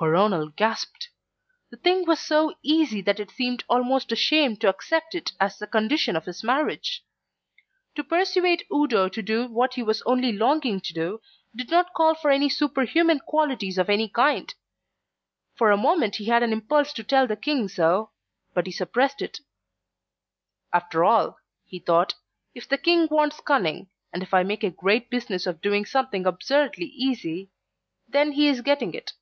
Coronel gasped. The thing was so easy that it seemed almost a shame to accept it as the condition of his marriage. To persuade Udo to do what he was only longing to do, did not call for any superhuman qualities of any kind. For a moment he had an impulse to tell the King so, but he suppressed it. "After all," he thought, "if the King wants cunning, and if I make a great business of doing something absurdly easy, then he is getting it."